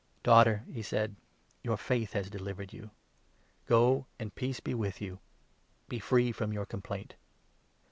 " Daughter," he said, "your faith has delivered you. Go, 34 .and peace be with you ; be free from your complaint."